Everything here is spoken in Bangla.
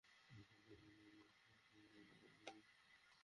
ক্রিপ্টোকারেন্সি কিংবা ক্যাশ অ্যাপ দিয়ে।